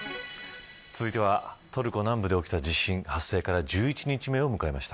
続いてはトルコ南部で起きた地震発生から１１日目を迎えました。